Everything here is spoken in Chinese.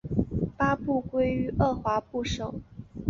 八部归于二划部首。